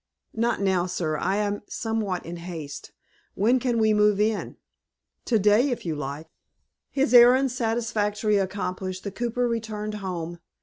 "Not now, sir; I am somewhat in haste. When can we move in?" "To day, if you like." His errand satisfactorily accomplished, the cooper returned home.